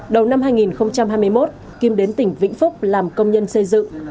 đầu năm hai nghìn hai mươi một kim đến tỉnh vĩnh phúc làm công nhân xây dựng